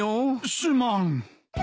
すまん。